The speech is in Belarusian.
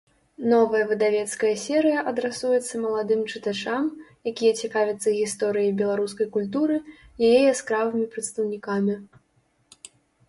Новая выдавецкая серыя адрасуецца маладым чытачам, якія цікавяцца гісторыяй беларускай культуры, яе яскравымі прадстаўнікамі.